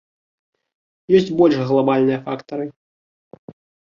Ёсць больш глабальныя фактары.